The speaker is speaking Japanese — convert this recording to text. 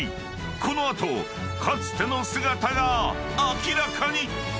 ［この後かつての姿が明らかに！］